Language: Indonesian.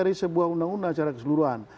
dari sebuah undang undang secara keseluruhan